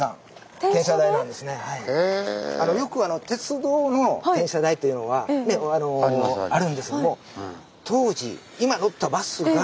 よく鉄道の転車台というのはあるんですけども当時今乗ったバスが。